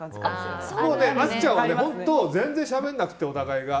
あっちゃんは本当全然しゃべらなくて、お互いが。